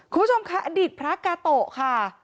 คุณผู้ชมค่ะอดีตพระกาโตะค่ะ